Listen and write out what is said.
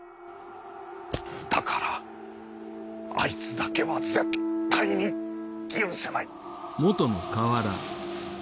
だからアイツだけは絶対に許せない！